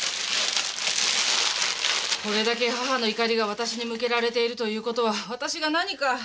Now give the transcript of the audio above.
これだけ母の怒りが私に向けられているという事は私が何か！